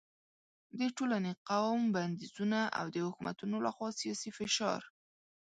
د ټولنې، قوم بندیزونه او د حکومتونو له خوا سیاسي فشار